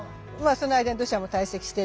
その間に土砂も堆積してるけど。